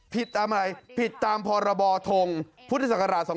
ผิดตามอะไรผิดตามพรทพศ๒๕๒๒